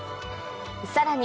さらに